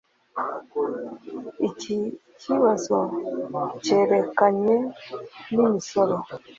iki ikibazo cyerekeranye n'imisoro